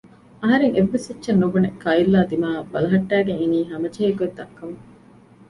އަހަރެން އެއްވެސް އެއްޗެއް ނުބުނެ ކައިލްއާ ދިމާއަށް ބަލަހައްޓައިގެން އިނީ ހަމަޖެހޭ ގޮތް ދައްކަމުން